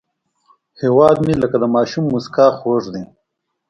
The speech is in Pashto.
هیواد مې لکه د ماشوم موسکا خوږ دی